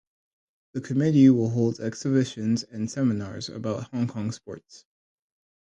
The Committee will holds exhibitions and seminars about Hong Kong sports.